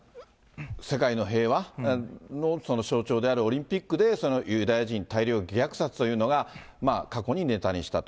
世界の平和の象徴であるオリンピックで、そのユダヤ人大量虐殺というのが、過去にネタにしたと。